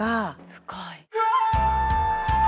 深い。